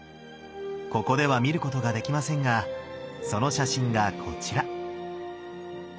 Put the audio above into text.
ここでは見ることができませんがその写真がこちら。